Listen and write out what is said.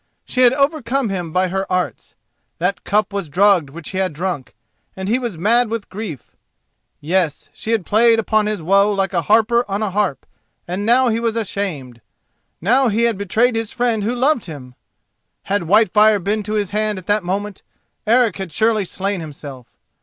She had overcome him by her arts; that cup was drugged which he had drunk, and he was mad with grief. Yes, she had played upon his woe like a harper on a harp, and now he was ashamed—now he had betrayed his friend who loved him! Had Whitefire been to his hand at that moment, Eric had surely slain himself.